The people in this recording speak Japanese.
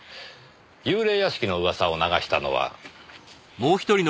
幽霊屋敷の噂を流したのは。